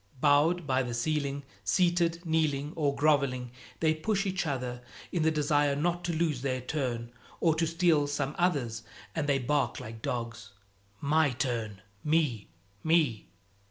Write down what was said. Bowed by the ceiling, seated, kneeling or groveling, they push each other in the desire not to lose their turn or to steal some other's, and they bark like dogs, "My turn!" "Me!" "Me!"